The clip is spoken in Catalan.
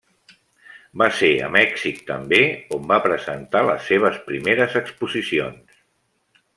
Va ser a Mèxic també on va presentar les seves primeres exposicions.